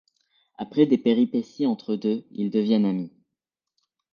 Après des péripéties entre eux deux ils deviennent amis.